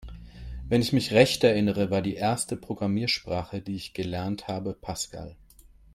Wenn ich mich recht erinnere, war die erste Programmiersprache, die ich gelernt habe, Pascal.